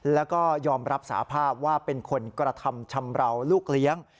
แล้วก็ยอมรับสาภาพว่าเป็นคนกระทำชำราวลูกเลี้ยง